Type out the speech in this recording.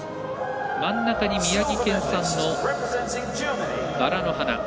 真ん中に宮城県産のバラの花。